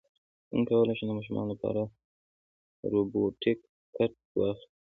څنګه کولی شم د ماشومانو لپاره د روبوټکس کټ واخلم